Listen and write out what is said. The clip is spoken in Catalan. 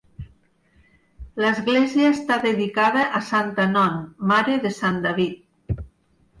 L'església està dedicada a Santa Non, mare de Sant David.